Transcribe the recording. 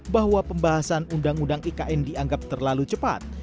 bahwa pembahasan undang undang ikn dianggap terlalu cepat